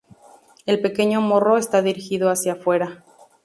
El pequeño morro está dirigido hacía afuera.